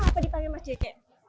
mas kenapa dipanggil mas jk